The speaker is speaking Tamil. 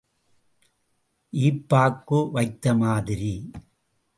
ஈப்பாக்கு வைத்த மாதிரி.